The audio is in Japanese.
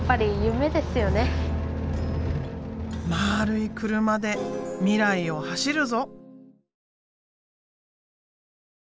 まるい車で未来を走るぞ！